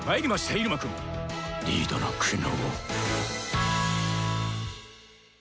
入間くん」「リードの苦悩」。